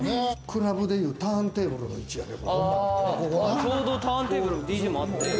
クラブでいうターンテーブルの位置やで。